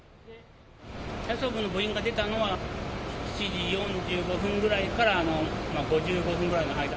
体操部の部員が出たのは７時４５分ぐらいから５５分ぐらいの間。